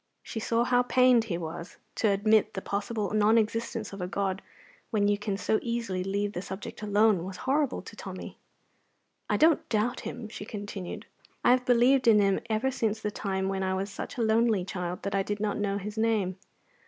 She saw how pained he was. To admit the possible non existence of a God when you can so easily leave the subject alone was horrible to Tommy. "I don't doubt Him," she continued. "I have believed in Him ever since the time when I was such a lonely child that I did not know His name.